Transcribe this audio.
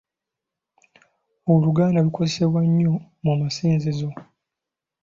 Oluganda lukozesebwa nnyo mu masinzizo.